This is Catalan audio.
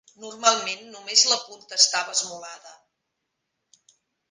Normalment només la punta estava esmolada.